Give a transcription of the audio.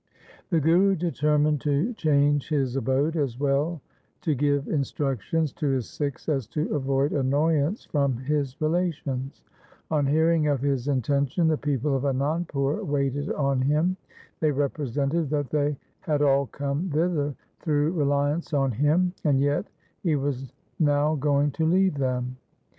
The Guru determined to change his abode, as well to give instructions to his Sikhs as to avoid annoyance from his relations. On hearing of his intention the people of Anandpur waited on him. They represented that they had all come thither through reliance on him, and yet he was now going to leave them.